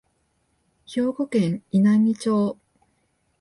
兵庫県稲美町